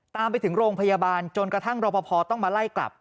ตามไปถึงโรงพยาบาลจนกระทั่งรอปภต้องมาไล่กลับ